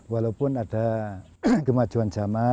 walaupun ada kemajuan jadwalnya